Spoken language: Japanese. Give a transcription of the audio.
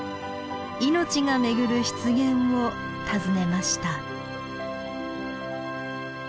命が巡る湿原を訪ねました。